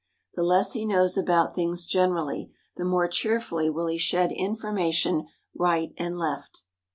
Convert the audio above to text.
The less he knows about things generally, the more cheerfully will he shed information right and left.